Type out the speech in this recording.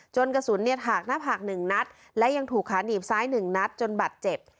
จนกระสุนถากหน้าผาก๑นัดและยังถูกขาดหนีบซ้าย๑นัดจนบัดเจ็บ